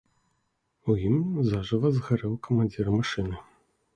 У ім зажыва згарэў камандзір машыны.